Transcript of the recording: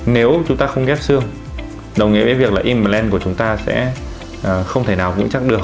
nếu chúng ta không ghép xương đồng nghĩa với việc là imland của chúng ta sẽ không thể nào vững chắc được